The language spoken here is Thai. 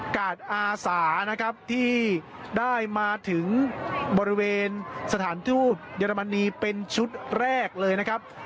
กาดอาสานะครับที่ได้มาถึงบริเวณสถานทูตเยอรมนีเป็นชุดแรกเลยนะครับ